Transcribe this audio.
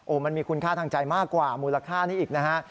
มันมีคุณค่าทางใจมากกว่ามูลค่านี้อีกนะฮะ